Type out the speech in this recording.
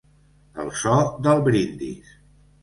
El so del brindis.